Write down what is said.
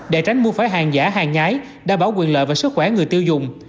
để tránh mua phải hàng giả hàng nhái đảm bảo quyền lợi và sức khỏe người tiêu dùng